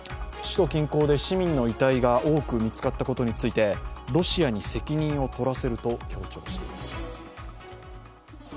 首都近郊で市民の遺体が多く見つかったことについてロシアに責任を取らせると強調しています。